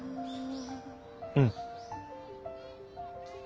うん。